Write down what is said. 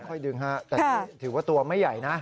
ค่อยดึงฮะแต่ถือว่าตัวไม่ใหญ่นะ